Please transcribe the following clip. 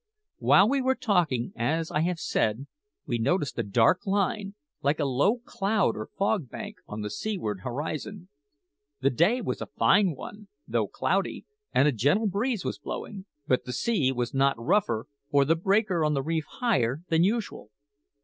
While we were talking, as I have said, we noticed a dark line, like a low cloud or fog bank, on the seaward horizon. The day was a fine one, though cloudy, and a gentle breeze was blowing; but the sea was not rougher, or the breaker on the reef higher, than usual.